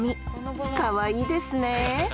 かわいいですねえ